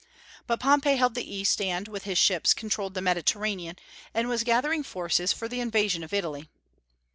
But Pompey held the East, and, with his ships, controlled the Mediterranean, and was gathering forces for the invasion of Italy.